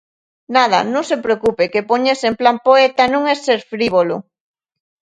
Nada, non se preocupe, que poñerse en plan poeta non é ser frívolo.